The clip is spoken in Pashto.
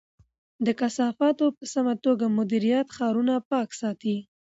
د کثافاتو په سمه توګه مدیریت ښارونه پاک ساتي.